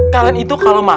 khalen itu kalau mah